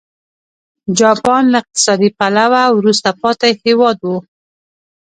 جاپان له اقتصادي پلوه وروسته پاتې هېواد و.